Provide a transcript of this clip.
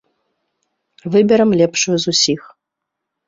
Выберам лепшую з усіх.